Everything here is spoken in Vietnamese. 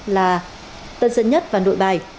là tân dân nhất và nội bài